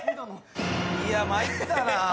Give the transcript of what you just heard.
いや参ったなぁ。